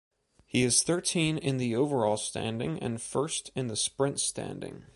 He is thirteen in the overall standing and first in the sprint standing.